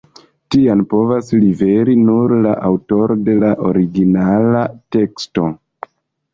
Tian povas liveri nur la aŭtoro de la originala teksto.